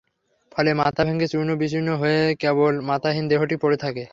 ফলে মাথা ভেংগে চূর্ণ-বিচূর্ণ হয়ে কেবল মাথাহীন দেহটি পড়ে থাকে।